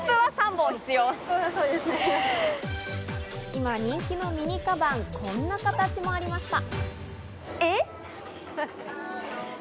今人気のミニかばん、こんな形もありました。